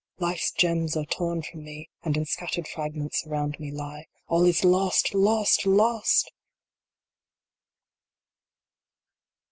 Life s gems are torn from me, and in scattered fragments around me lie. All lost lost lost